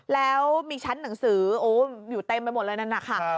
แล้วมีชั้นหนังสืออยู่เต็มไปหมดเลยนั่นนะคะ